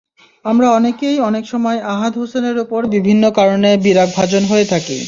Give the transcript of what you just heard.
আমরা অনেকেই অনেক সময় আহাদ হোসেনের ওপর বিভিন্ন কারণে বিরাগভাজন হয়ে থাকি।